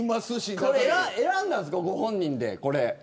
選んだんですかご本人でこれ。